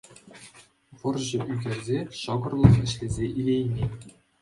Вӑрҫӑ ӳкерсе ҫӑкӑрлӑх ӗҫлесе илеймен